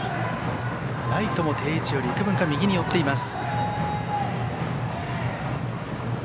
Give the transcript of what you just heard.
ライトも定位置より幾分か、右に寄っています。